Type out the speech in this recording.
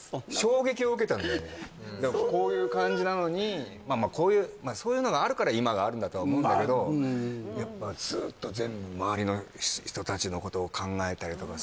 そんなそんなこういう感じなのにまあそういうのがあるから今があるんだとは思うんだけどやっぱずっと全部周りの人たちのことを考えたりとかさ